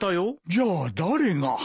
じゃあ誰が。